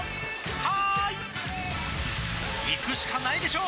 「はーい」いくしかないでしょ！